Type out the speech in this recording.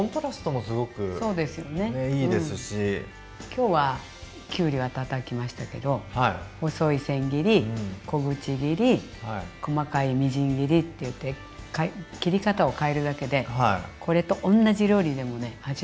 今日はきゅうりはたたきましたけど細い千切り小口切り細かいみじん切りっていって切り方を変えるだけでこれと同じ料理でもね味が変わるので。